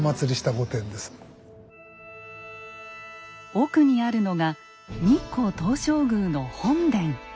奥にあるのが日光東照宮の本殿。